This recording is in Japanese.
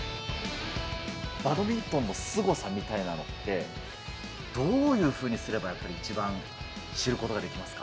バドミントンのすごさみたいなのって、どういうにすれば一番知ることができますか？